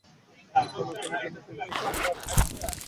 ক্ষণকালের জন্যে পেনসিলটা রেখে তামাক টানতে লাগল।